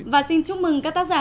và xin chúc mừng các tác giả